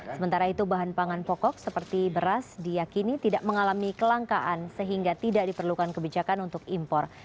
sementara itu bahan pangan pokok seperti beras diakini tidak mengalami kelangkaan sehingga tidak diperlukan kebijakan untuk impor